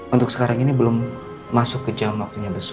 untuk sekarang ini belum masuk ke jam waktunya besok